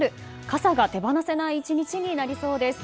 傘が手放せない１日になりそうです。